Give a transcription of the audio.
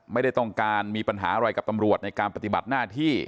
ไม่ได้ต้องการมีปัญหาอะไรกับตำรวจในการปฏิบัติหน้าที่